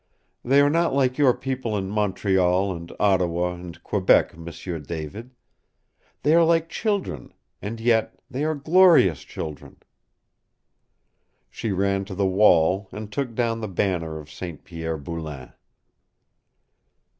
They are not like your people in Montreal and Ottawa and Quebec, M'sieu David. They are like children. And yet they are glorious children!" She ran to the wall and took down the banner of St. Pierre Boulain.